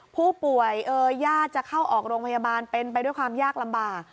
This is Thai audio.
ผู้ป่วยเอ่ยญาติจะเข้าออกโรงพยาบาลเป็นไปด้วยความยากลำบาก